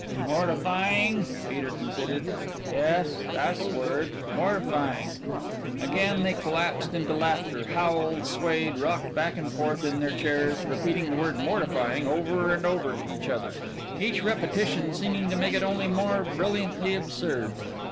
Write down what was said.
"Mortifying?" Peter considered. "Yes, tha's word mortifying." Again they collapsed into laughter, howled, swayed, rocked back and forth in their chairs, repeating the word "mortifying" over and over to each other each repetition seeming to make it only more brilliantly absurd.